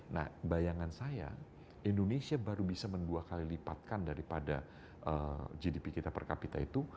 nah bayangan saya indonesia baru bisa mendua kali lipatkan daripada gdp kita per kapita itu